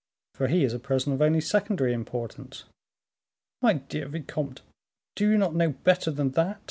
for he is a person of only secondary importance." "My dear vicomte, do you not know better than that?"